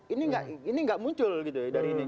ini tidak muncul dari ini